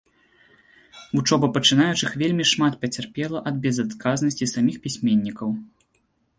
Вучоба пачынаючых вельмі шмат пацярпела ад безадказнасці саміх пісьменнікаў.